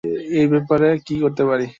এই ব্যাপারে কি করতে পারি?